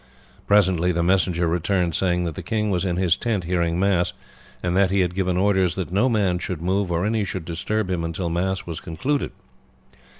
Presently the messenger returned saying that the king was in his tent hearing mass, and that he had given orders that no man should move or any should disturb him until mass was concluded.